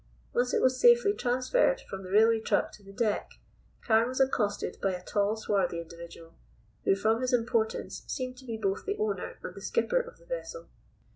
Once it was safely transferred from the railway truck to the deck, Carne was accosted by a tall, swarthy individual, who, from his importance, seemed to be both the owner and the skipper of the vessel.